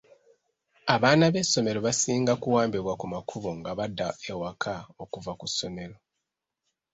Abaana b'essomero basinga kuwambibwa ku makubo nga badda ewaka okuva ku ssomero..